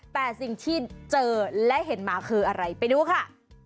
แต่สิ่งที่เจอและเห็นมาคืออะไรไปดูค่ะ